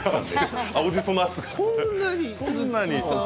そんなにね。